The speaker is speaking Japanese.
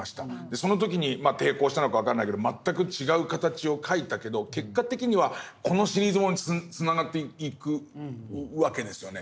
その時にまあ抵抗したのか分かんないけど全く違う形を描いたけど結果的にはこのシリーズものにつながっていくわけですよね。